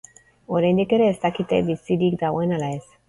Oraindik ere ez dakite bizirik dagoen ala ez.